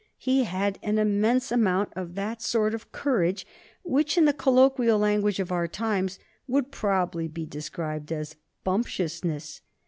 He had an immense amount of that sort of courage which, in the colloquial language of our times, would probably be described as bumptiousness.